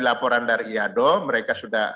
laporan dari iado mereka sudah